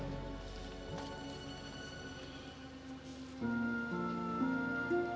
misalnya'll kan tent snake